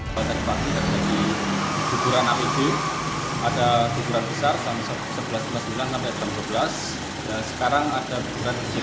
pertama kali di guguran api itu ada guguran besar sebelas sembilan sampai sebelas dua belas dan sekarang ada guguran kecil